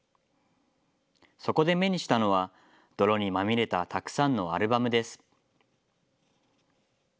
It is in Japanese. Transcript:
そこで目にしたのは泥にまみれたたくさんのアルバムです。